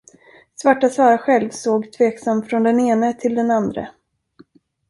Svarta Sara själv såg tveksamt från den ene till den andre.